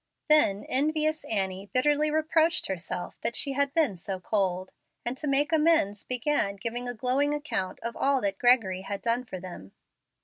Then envious Annie bitterly reproached herself that she had been so cold, and, to make amends, began giving a glowing account of all that Gregory had done for them.